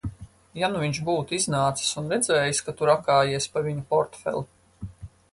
Ja nu viņš būtu iznācis un redzējis, ka tu rakājies pa viņa portfeli?